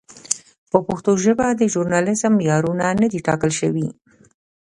په پښتو ژبه د ژورنالېزم معیارونه نه دي ټاکل شوي.